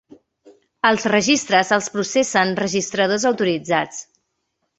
Els registres els processen registradors autoritzats.